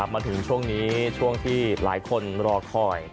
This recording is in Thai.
มาถึงช่วงนี้ช่วงที่หลายคนรอคอย